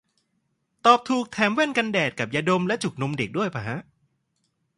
ตอบถูกแถมแว่นกันแดดกับยาดมและจุกนมเด็กด้วยปะฮะ